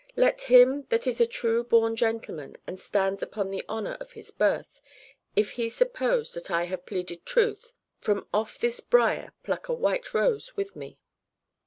_ Let him, that is a true born gentleman, And stands upon the honor of his birth, If he suppose that I have pleaded truth, From off this brier pluck a white rose with me.